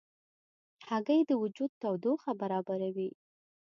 هګۍ د وجود تودوخه برابروي.